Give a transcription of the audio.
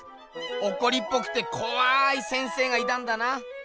おこりっぽくてこわい先生がいたんだな。